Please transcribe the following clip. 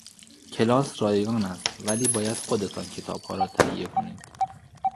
کلاس رایگان است ولی باید خودتان کتابها را تهیه کنید.